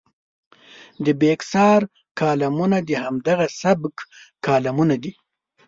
د بېکسیار کالمونه د همدغه سبک کالمونه دي.